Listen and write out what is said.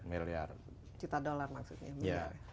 maksudnya juta dolar